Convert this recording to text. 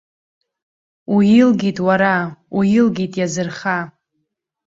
Уилгеит, уара, уилга, иазырха!